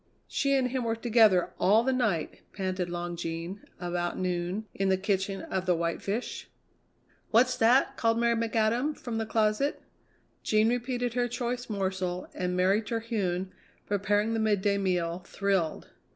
"She and him were together all the night," panted Long Jean, about noon, in the kitchen of the White Fish. "What's that?" called Mary McAdam from the closet. Jean repeated her choice morsel, and Mary Terhune, preparing the midday meal, thrilled.